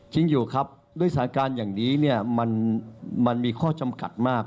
จริงอยู่ครับด้วยสถานการณ์อย่างนี้มันมีข้อจำกัดมาก